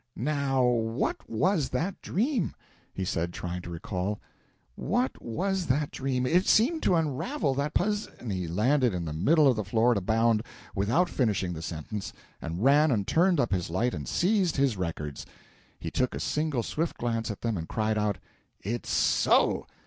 "Now what was that dream?" he said, trying to recall it; "what was that dream? it seemed to unravel that puz " He landed in the middle of the floor at a bound, without finishing the sentence, and ran and turned up his light and seized his "records." He took a single swift glance at them and cried out "It's so!